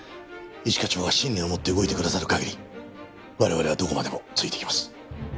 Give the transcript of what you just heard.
一課長が信念を持って動いてくださる限り我々はどこまでもついていきます。